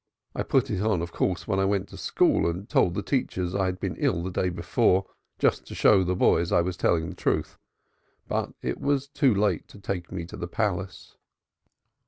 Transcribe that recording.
I put it on of course when I went to school and told the teacher I was ill the day before, just to show the boys I was telling the truth. But it was too late to take me to the Palace."